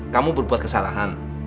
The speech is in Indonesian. kamu berbuat kesalahan